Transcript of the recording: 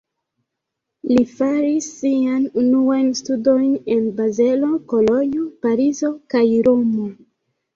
Li faris siajn unuajn studojn en Bazelo, Kolonjo, Parizo kaj Romo.